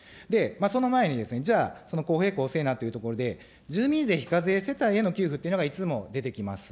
その前にですね、じゃあ、公平・公正なというところで住民税非課税世帯への給付というのがいつも出てきます。